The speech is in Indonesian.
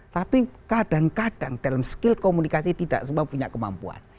tapi kadang kadang dalam skill komunikasi tidak semua punya kemampuan